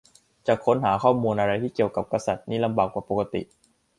จะค้นจะหาข้อมูลอะไรที่เกี่ยวกับกษัตริย์นี่ลำบากกว่าปกติ